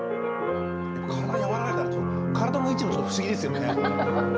体柔らかいから体の位置もちょっと不思議ですよね。